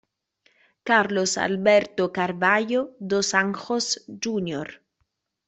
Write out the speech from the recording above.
Carlos Alberto Carvalho dos Anjos Júnior